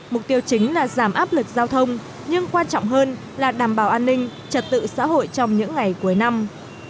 mục tiêu chính là giảm áp lực giao thông nhưng quan trọng hơn là đảm bảo an ninh trật tự xã hội trong những ngày cuối năm